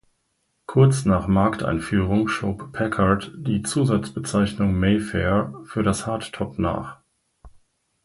Kurz nach Markteinführung schob Packard die Zusatzbezeichnung "Mayfair" für das Hardtop nach.